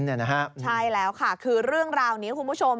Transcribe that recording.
ใช่แล้วค่ะคือเรื่องราวนี้คุณผู้ชม